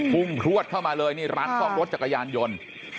พุ่งพลวดเข้ามาเลยนี่ร้านซ่อมรถจักรยานยนต์